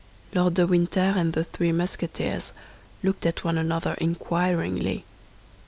Lord de Winter and the three Musketeers looked at one another inquiringly.